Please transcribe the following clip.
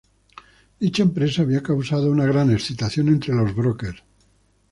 Dicha empresa había causado una gran excitación entre los brokers.